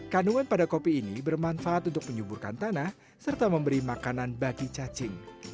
kandungan pada kopi ini bermanfaat untuk menyuburkan tanah serta memberi makanan bagi cacing